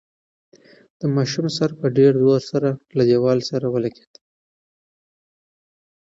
د ماشوم سر په ډېر زور سره له دېوال سره ولګېد.